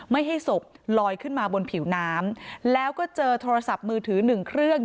ไม่ให้ศพลอยขึ้นมาบนผิวน้ำแล้วก็เจอโทรศัพท์มือถือหนึ่งเครื่อง